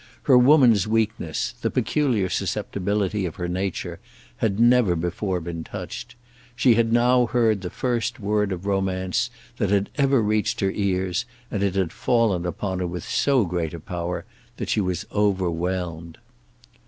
Her woman's weakness, the peculiar susceptibility of her nature, had never before been touched. She had now heard the first word of romance that had ever reached her ears, and it had fallen upon her with so great a power that she was overwhelmed.